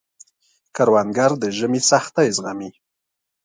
کروندګر د ژمي سختۍ زغمي